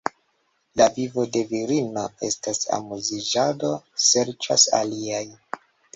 La vivo de virino estas amuziĝado, ŝercas aliaj.